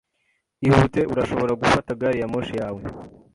Ihute urashobora gufata gari ya moshi yawe.